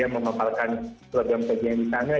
menggambarkan program program yang ditanya